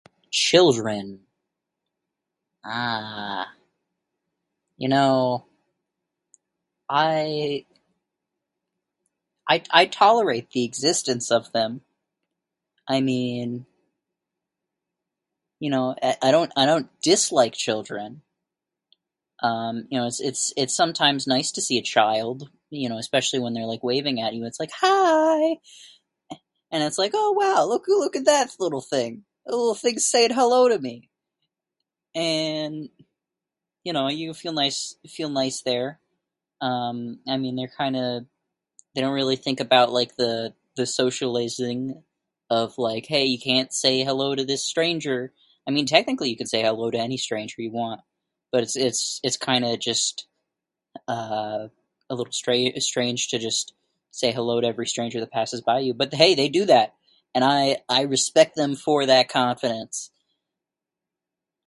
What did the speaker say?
"Children? Ahh... you know, I I I tolerate the existence of them. I mean, you know, I don't I don't dislike children. Um, you know, it's it's it's sometimes nice to see a child, you know, especially when they're waving at you, its like, ""Hi"", and it's like, ""Oh, wow look at look at that little thing, that little thing's saying hello to me!"". And, you know, you feel nice feel nice there, um I mean they're kinda... they don't really think about like the the socializing of like, ""You cant say hello to this stranger"". I mean, technically you can say hello to any stranger you want but it's it's kinda just, uh, a little stra- strange to just say hello to every stranger that passes by you. But hey, they do that, and I I respect them for that confidence."